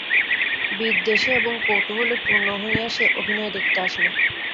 বিদ্বেষে এবং কৌতূহলে পূর্ণ হইয়া সে অভিনয় দেখিতে আসিল।